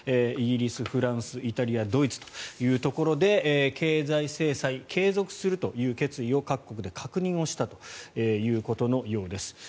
イギリス、フランス、イタリアドイツというところで経済制裁を継続するという決意を各国で確認したということのようです。